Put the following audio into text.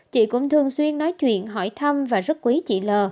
chị cũng thường xuyên nói chuyện hỏi thăm và rất quý chị l